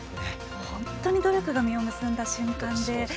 本当に努力が実を結んだ瞬間で。